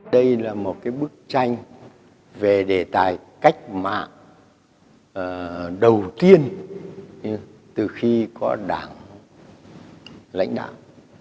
đây là một bức tranh về đề tài cách mạng đầu tiên từ khi có đảng lãnh đạo